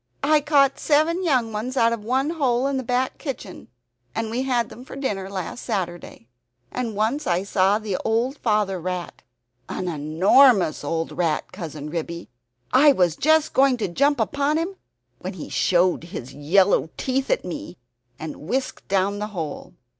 "I caught seven young ones out of one hole in the back kitchen, and we had them for dinner last Saturday. And once I saw the old father rat an enormous old rat Cousin Ribby. I was just going to jump upon him, when he showed his yellow teeth at me and whisked down the hole.